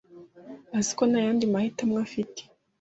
Azi ko nta yandi mahitamo afite.